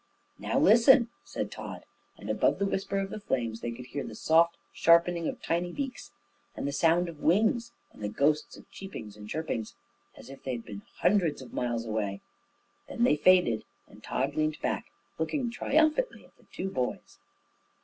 "Now listen," said Tod; and above the whisper of the flames they could hear the soft sharpening of tiny beaks, and the sound of wings, and the ghosts of cheepings and chirpings, as if they had been hundreds of miles away. Then they faded, and Tod leaned back, looking triumphantly at the two boys.